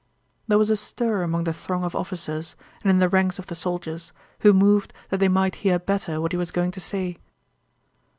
There was a stir among the throng of officers and in the ranks of the soldiers, who moved that they might hear better what he was going to say.